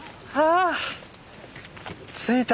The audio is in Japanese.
あ着いた。